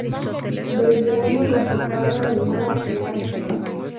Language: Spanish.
Belgrano lo separa de Mar de Ajó.